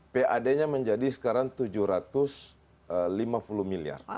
pad nya menjadi sekarang tujuh ratus lima puluh miliar